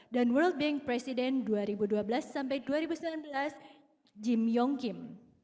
dan world bank president dua ribu dua belas dua ribu sembilan belas jim yong kim